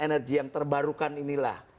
energi yang terbarukan inilah